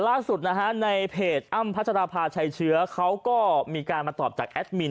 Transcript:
ล่าสุดนะฮะในเพจอ้ำพัชราภาชัยเชื้อเขาก็มีการมาตอบจากแอดมิน